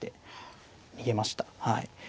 はい。